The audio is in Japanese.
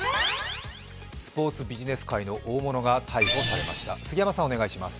スポーツビジネス界の大物が逮捕されました。